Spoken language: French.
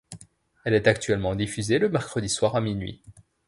Elle est actuellement diffusée le mercredi soir à minuit.